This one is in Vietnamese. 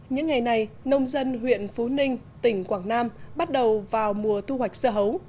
những ngày này nông dân huyện phú ninh tỉnh quảng nam bắt đầu vào mùa thu hoạch dưa hấu